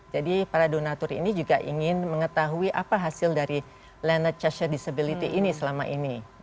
jadi para donatur ini juga ingin mengetahui apa hasil dari leonard cheshire disability ini selama ini